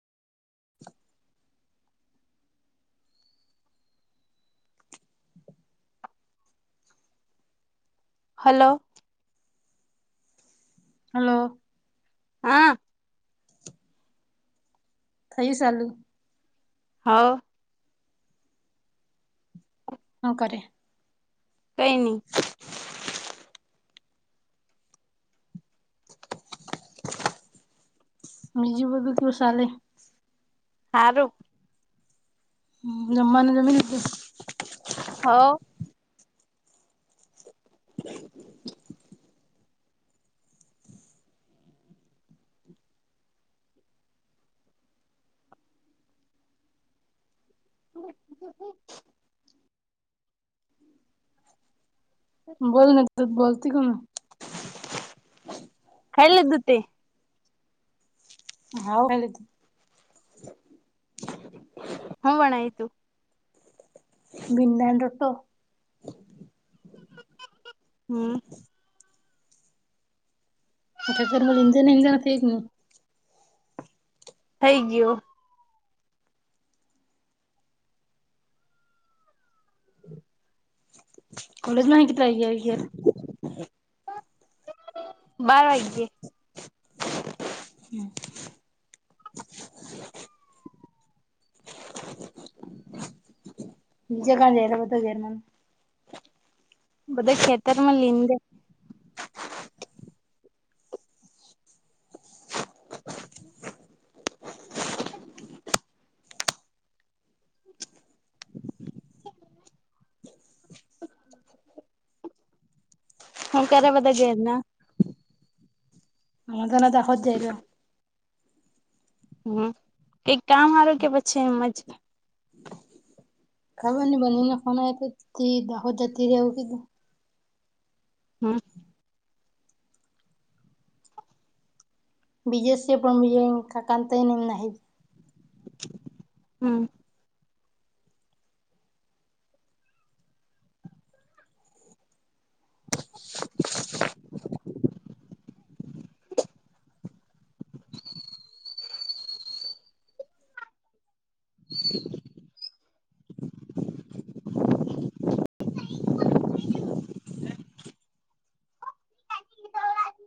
[unintelligible] Hello. Hello. હા. થઇ ચાલું. હવ. હું કરે? કઈ ની. બીજું બધું તું શાલે? હારું. જમાવાનું જમી લીધું? હવ. [unintelligible] બોલ ને, બોલતી કોમ. ખાઈ લીધું તે? હાવ. હું બનાવ્યું તું? ભીંડા ને રોટો હમ. અક મ ંધજ જ ફે જ ને [inaudible] થઈ ગયું. કોલેજમાં કેટ આઈયાય. [unintelligible] બાર વાગ્યે. હમ. બીજે બધા ક્યાં જાય, ઘેર માં. બધા ખેતરમાં. હું કરે, બધા ઘેરના. અમારા ત્યાંના દાહોદ ચાયલા. હમ, કઈ કામ સારું કે, પછી એમ જ. ખબર ન બનીને ફોનય તો, દાહોદ જતી રવું એવું કીધું. હમ. બીજેસ છે પણ બીજ કતાઈ નનેમ નહી [unintelligible] હમ. [unintelligible] [unintelligible]